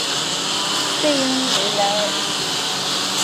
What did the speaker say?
贝恩维莱尔。